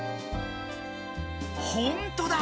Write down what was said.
ほんとだ！